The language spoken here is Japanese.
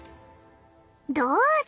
どうぞ。